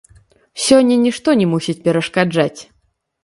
Сёння нішто не мусіць перашкаджаць.